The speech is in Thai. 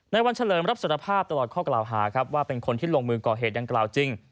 วันเฉลิมรับสารภาพตลอดข้อกล่าวหาครับว่าเป็นคนที่ลงมือก่อเหตุดังกล่าวจริง